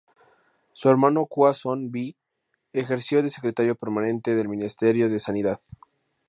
Su hermano Kwa Soon Bee ejerció de Secretario Permanente del Ministerio de Sanidad.